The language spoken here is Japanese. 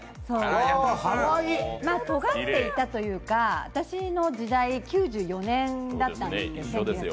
とがっていたというよりか、私の時代、１９９４年だったんです。